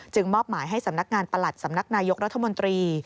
มอบหมายให้สำนักงานประหลัดสำนักนายกรัฐมนตรี